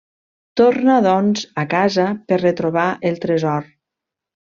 Torna doncs a casa per retrobar el tresor.